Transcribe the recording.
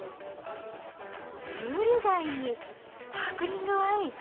ムール貝に、スパークリングワイン。